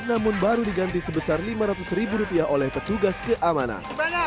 namun baru diganti sebesar lima ratus ribu rupiah oleh petugas keamanan